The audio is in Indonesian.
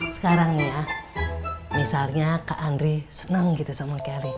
sekarang ya misalnya kak andri seneng gitu sama kelly